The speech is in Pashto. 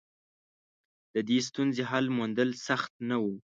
د دې ستونزې حل موندل سخت نه و.